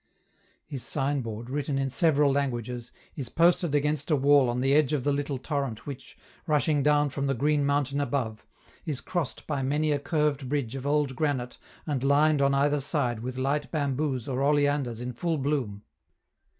His signboard, written in several languages, is posted against a wall on the edge of the little torrent which, rushing down from the green mountain above, is crossed by many a curved bridge of old granite and lined on either side with light bamboos or oleanders in full bloom.